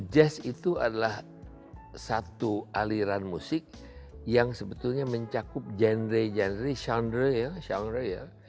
jazz itu adalah satu aliran musik yang sebetulnya mencakup genre genre genre ya genre ya